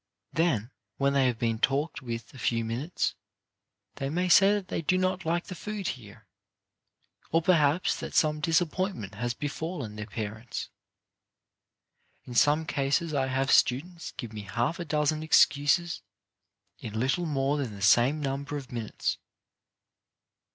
Then, when they have been talked with a few minutes, they may say that they do not like the food here, or perhaps that some disappointment has befallen their parents. In some cases I have had students give me half a dozen excuses in little more than the same number of minutes.